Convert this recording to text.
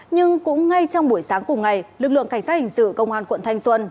nhưng cũng ngay trong buổi sáng cùng ngày lực lượng cảnh sát hình sự công an quận thanh xuân